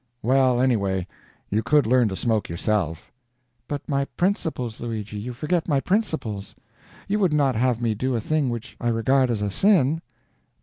"Well, anyway, you could learn to smoke yourself." "But my principles, Luigi, you forget my principles. You would not have me do a thing which I regard as a sin?"